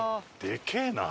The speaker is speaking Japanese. でけえな！